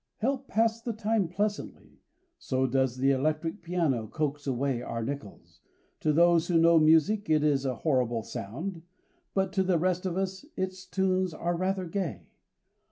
"Help pass the time pleasantly," so does the electric piano coax away our nickels. To those who know music it is a horrible sound, but to the rest of us its tunes are rather gay.